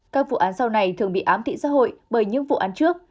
các vụ án sau này thường bị ám thị xã hội bởi những vụ án trước